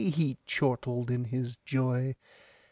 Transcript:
He chortled in his joy.